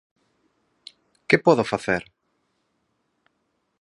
Que podo facer?